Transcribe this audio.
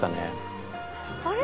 あれ？